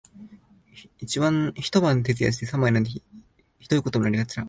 一晩徹夜して三枚なんていう酷いことにもなりがちだ